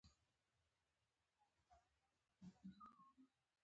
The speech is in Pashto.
لسمه برخه یې ملا ته رسېدله.